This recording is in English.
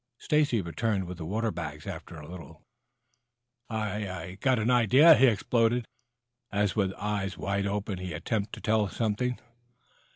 Stacy returned with a water bag after a little. "I I I've got an idea," he exploded, as with eyes wide open he attempted to tell them something.